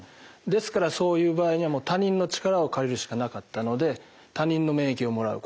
ですからそういう場合には他人の力を借りるしかなかったので他人の免疫をもらう。